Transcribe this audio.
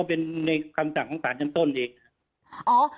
ก็เป็นในคำสั่งของสารจำต้นเองนะครับ